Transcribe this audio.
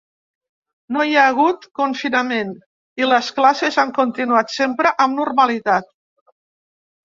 No hi ha hagut confinament i les classes han continuat sempre amb normalitat.